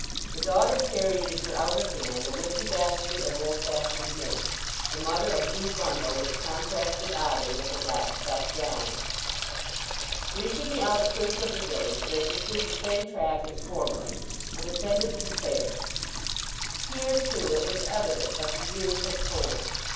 The daughter carried in her outer hand a withy basket of old fashioned make; the mother a blue bundle, which contrasted oddly with her black stuff gown. Reaching the outskirts of the village they pursued the same track as formerly, and ascended to the fair. Here, too it was evident that the years had told.